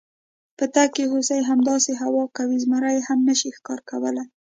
په تګ کې هوسۍ، همداسې هوا کوي، زمري یې هم نشي ښکار کولی.